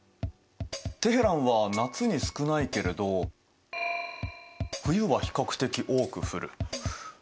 テヘランは夏に少ないけれど冬は比較的多く降る。